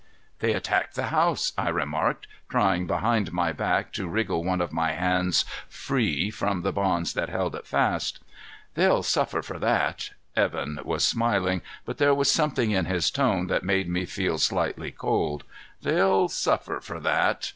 "They attacked the house," I remarked, trying behind my back to wriggle one of my hands free from the bonds that held it fast. "They'll suffer for that." Evan was smiling, but there was something in his tone that made me feel slightly cold. "They'll suffer for that.